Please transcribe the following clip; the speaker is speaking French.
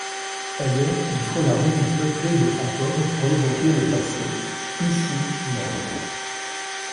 Ailleurs, il faut la ruine peuplée de fantômes pour évoquer le passé ; ici, non.